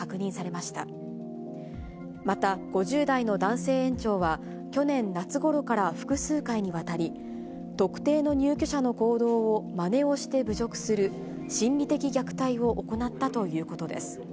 また、５０代の男性園長は、去年夏ごろから複数回にわたり、特定の入居者の行動をまねをして侮辱する心理的虐待を行ったということです。